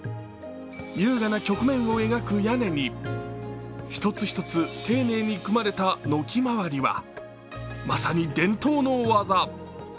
優雅な曲面を描く屋根に一つ一つ丁寧に組まれた軒まわりはまさに伝統の技。